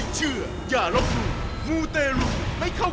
สวัสดีครับ